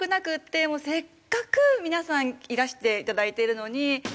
せっかく皆さんいらして頂いてるのに。